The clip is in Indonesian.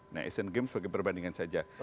nah asian games sebagai perbandingan saja